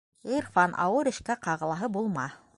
Ғирфан, ауыр эшкә ҡағылаһы булма.